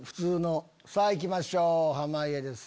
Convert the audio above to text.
さぁいきましょう濱家です